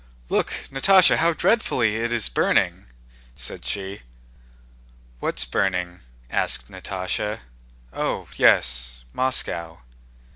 "Look, Natásha, how dreadfully it is burning!" said she. "What's burning?" asked Natásha. "Oh, yes, Moscow."